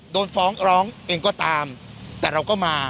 โดนฟ้องร้องเองก็ตามแต่เราก็มา